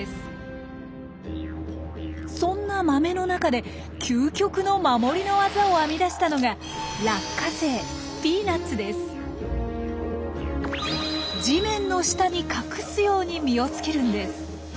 そんな豆の中で究極の守りの技を編み出したのが地面の下に隠すように実をつけるんです。